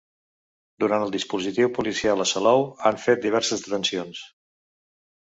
Durant el dispositiu policial a Salou, han fet diverses detencions.